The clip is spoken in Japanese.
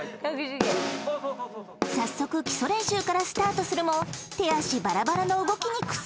［早速基礎練習からスタートするも手足ばらばらの動きに苦戦］